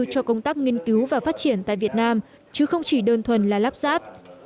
cho công tác nghiên cứu và phát triển tại việt nam chứ không chỉ đơn thuần là lắp ráp